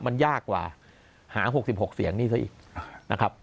มันยากกว่าหา๖๖เสียงนี่ซะอีกนะครับ